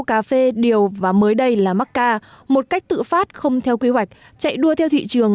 cà phê điều và mới đây là mắc ca một cách tự phát không theo quy hoạch chạy đua theo thị trường